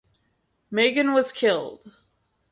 Magon was killed.